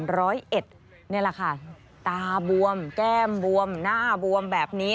นี่แหละค่ะตาบวมแก้มบวมหน้าบวมแบบนี้